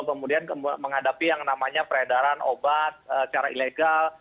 kemudian menghadapi yang namanya peredaran obat secara ilegal